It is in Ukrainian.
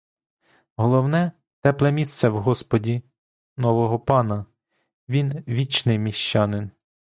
Головне — тепле місце в господі нового пана: він — вічний міщанин.